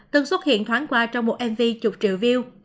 từng xuất hiện thoáng qua trong một mv chục triệu view